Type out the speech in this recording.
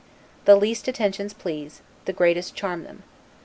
The least attentions please, the greatest charm them.